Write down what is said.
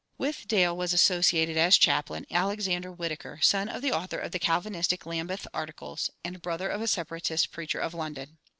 With Dale was associated as chaplain Alexander Whitaker, son of the author of the Calvinistic Lambeth Articles, and brother of a Separatist preacher of London.